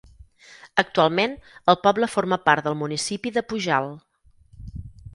Actualment el poble forma part del municipi de Pujalt.